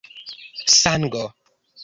sango